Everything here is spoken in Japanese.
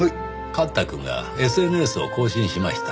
幹太くんがＳＮＳを更新しました。